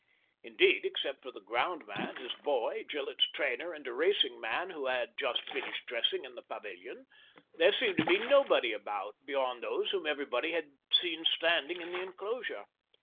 Indeed, except for the ground man, his boy, Gillett's trainer, and a racing man, who had just finished dressing in the paviHon, there seemed to be nobody about beyond those whom everybody had seen standing in the enclosure.